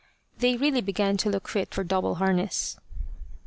They really began to look fit for double harness.